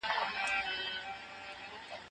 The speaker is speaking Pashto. د ناروغ په سینه کې دروندوالی د مسمومیت له امله نه وي.